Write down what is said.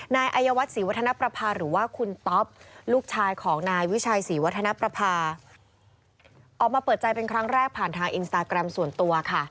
นายอายวัฒนศรีวัฒนประภาหรือว่าคุณต๊อปลูกชายของนายวิชัยศรีวัฒนประภาออกมาเปิดใจเป็นครั้งแรกผ่านทางอินสตาแกรมส่วนตัวค่ะ